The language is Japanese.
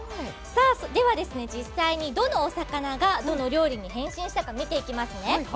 実際にどのお魚がどの料理に変身したか見ていきますね。